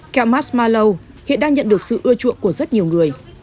kẹo marshmallow hiện đang nhận được sự ưa chuộng của rất nhiều người